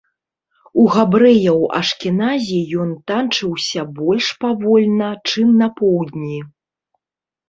У габрэяў-ашкеназі ён танчыўся больш павольна, чым на поўдні.